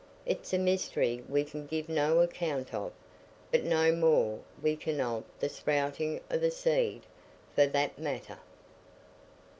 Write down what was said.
It's a mystery we can give no account of; but no more we can of the sprouting o' the seed, for that matter."